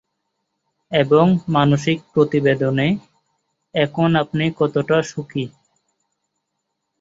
এবং মানসিক প্রতিবেদনে, "এখন আপনি কতটা সুখী?"